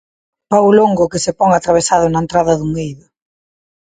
Pau longo que se pon atravesado na entrada dun eido.